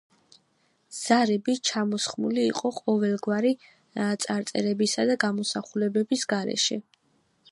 ზარები ჩამოსხმული იყო ყოველგვარი წარწერებისა და გამოსახულებების გარეშე.